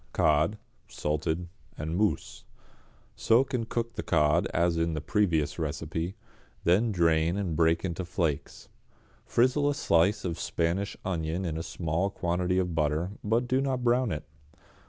=Cod, Salted, en Mousse.= Soak and cook the cod as in the previous recipe, then drain and break into flakes. Frizzle a slice of a Spanish onion in a small quantity of butter, but do not brown it.